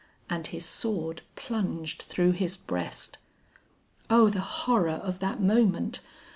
and his sword plunged through his breast. O the horror of that moment!